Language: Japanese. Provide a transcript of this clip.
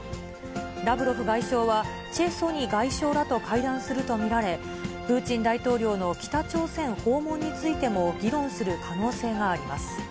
ラブロフ外相はチェ・ソニ外相らと会談すると見られ、プーチン大統領の北朝鮮訪問についても議論する可能性があります。